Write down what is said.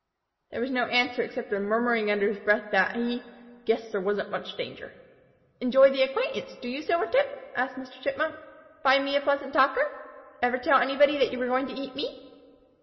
There was no answer, except a murmuring under his breath that he "guessed there wasn't much danger." "Enjoy the acquaintance, do you, Silvertip?" asked Mr. Chipmunk. "Find me a pleasant talker? Ever tell anybody that you were going to eat me?"